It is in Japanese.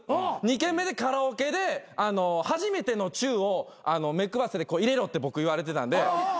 ２軒目でカラオケで『はじめてのチュウ』を目配せで入れろって僕言われてたんで。